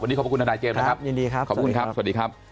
วันนี้ขอบคุณทนายเจมส์นะครับยินดีครับขอบคุณครับสวัสดีครับ